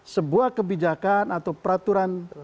sebuah kebijakan atau peraturan